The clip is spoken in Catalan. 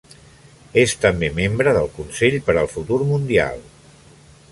És també membre del Consell per al Futur Mundial.